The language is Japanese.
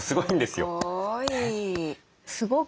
すごい。